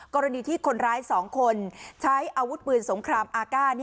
กรณีที่คนร้าย๒คนใช้อาวุธปืนสงครามอากาศ